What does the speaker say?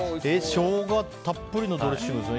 ショウガたっぷりのドレッシングですね。